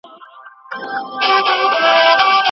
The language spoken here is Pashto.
دا ستونزه به حل شوې وي.